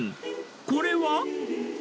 これは？